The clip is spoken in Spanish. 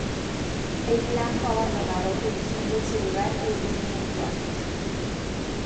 El plan fue abandonado eligiendo en su lugar el diseño actual.